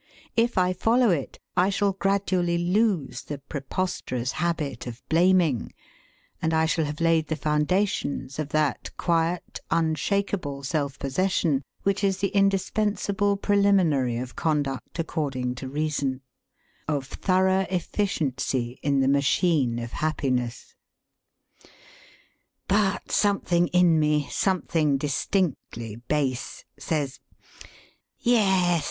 If I follow it I shall gradually lose the preposterous habit of blaming, and I shall have laid the foundations of that quiet, unshakable self possession which is the indispensable preliminary of conduct according to reason, of thorough efficiency in the machine of happiness. But something in me, something distinctly base, says: 'Yes.